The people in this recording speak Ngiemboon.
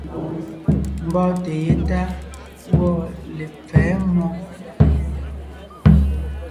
Mbɔ́ɔnte yétá gwɔ̂ lepfɛ̌ mmó.